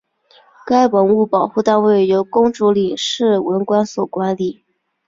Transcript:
该文物保护单位由公主岭市文管所管理。